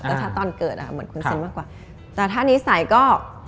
แต่ถ้าตอนเกิดอ่ะเหมือนคุ้นเส้นมากกว่าแต่ถ้านิสัยก็